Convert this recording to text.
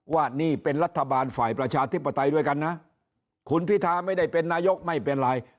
ว่านี่เป็นรัฐบาลฝ่ายประชาธิปไตยด้วยกันนะคุณพิทาไม่ได้เป็นนายกไม่เป็นไร